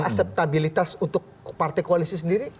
aseptabilitas untuk partai koalisi sendiri